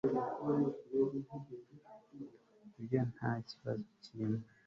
ibyo ntakibazo cyirimo